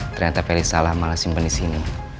ternyata felix salah malah simpen disini